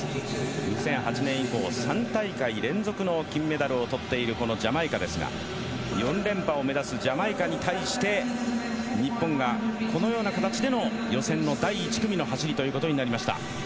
２００８年以降３大会連続で金メダルを取っているジャマイカですが４連覇を目指すジャマイカに対して日本がこのような形での予選の第１組の走りとなりました。